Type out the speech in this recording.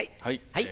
はい。